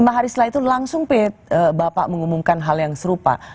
lima hari setelah itu langsung bapak mengumumkan hal yang serupa